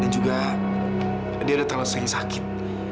dan juga dia udah terlalu sering sakit